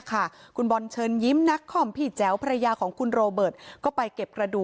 คุณบอลเชิญยิ้มนักคอมพี่แจ๋วภรรยาของคุณโรเบิร์ตก็ไปเก็บกระดูก